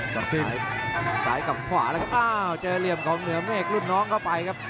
สิ้นซ้ายกับขวาแล้วครับอ้าวเจอเหลี่ยมของเหนือเมฆรุ่นน้องเข้าไปครับ